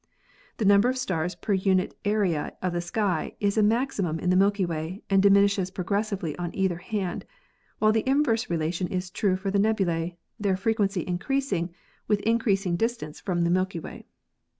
The number of stars per unit area of the sky is a maximum in the Milky Way and diminishes progressively on either hand, while the inverse relation is true for the nebulae, their frequency increasing with increasing distance from the Milky Way."